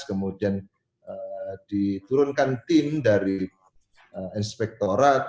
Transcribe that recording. kemudian diturunkan tim dari inspektorat